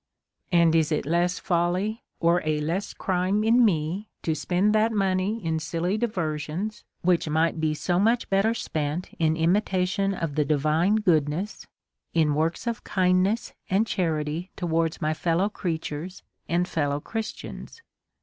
And is it less folly, or a less crime, in me to spend that money in silly diversions, which might be so much better spent in imitation of the divine good DEVOUT AND HOLY LIFE. 77 nesSj in works of kindness and charity towards m^ fellow creatures, and fellow Christians!'